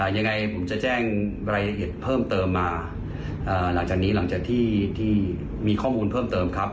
ยังไงผมจะแจ้งรายละเอียดเพิ่มเติมมาหลังจากนี้หลังจากที่มีข้อมูลเพิ่มเติมครับ